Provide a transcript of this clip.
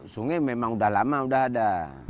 sungai memang udah lama udah ada